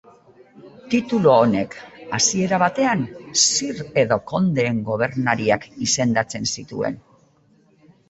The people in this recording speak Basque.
Titulu honek, hasiera batean, sir edo kondeen gobernariak izendatzen zituen.